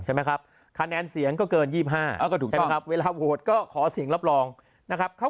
ใช่ไหมครับคะแนนเสียงก็เกิน๒๕เวลาโหดก็ขอสิ่งรับรองนะครับเขา